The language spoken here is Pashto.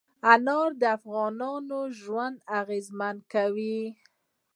انار د افغانانو ژوند اغېزمن کوي.